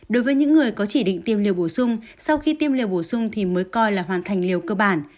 đối với những người có chỉ định tiêm liều bổ sung sau khi tiêm liều bổ sung thì mới coi là hoàn thành liều cơ bản